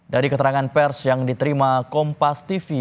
dari keterangan pers yang diterima kompas tv